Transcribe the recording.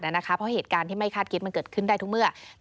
เพราะเหตุการณ์ที่ไม่คาดคิดมันเกิดขึ้นได้ทุกเมื่อ